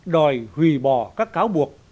đòi hủy bỏ các cáo buộc